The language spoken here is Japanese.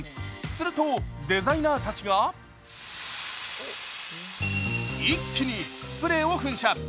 するとデザイナーたちが一気にスプレーを噴射。